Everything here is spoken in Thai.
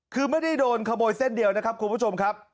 คือไม่ได้โดนขโมยเส้นเดียวนะครับคุณผู้ชมครับ